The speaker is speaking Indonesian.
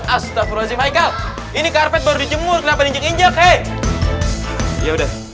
astagfirullahaladzim ini karpet baru dijemur kenapa diinjek injek ya udah